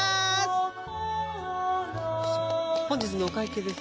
本日のお会計です。